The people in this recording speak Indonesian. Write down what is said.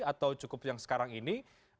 atau cukup yang sekarang ini